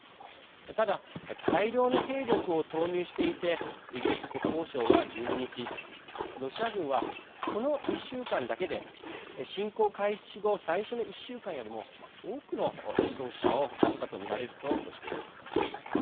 ただ、大量の兵力を投入していてイギリス国防省は１２日ロシア軍は、この２週間だけで侵攻開始後、最初の１週間よりも多くの死傷者を出したとみられるとしています。